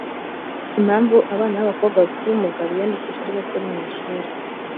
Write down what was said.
impamvu abana b abakobwa bafite ubumuga biyandikisha ari bake mu ishuri